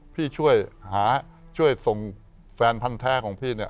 พี่ช่วยหาช่วยส่งแฟนพันธ์แท้ของพี่เนี่ย